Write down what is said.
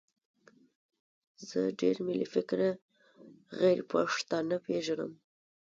زه ډېر ملي فکره غیرپښتانه پېژنم.